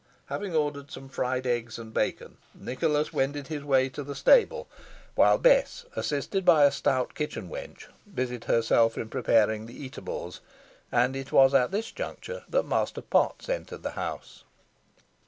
Having ordered some fried eggs and bacon, Nicholas wended his way to the stable, while Bess, assisted by a stout kitchen wench, busied herself in preparing the eatables, and it was at this juncture that Master Potts entered the house.